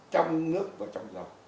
trong nước và trong dầu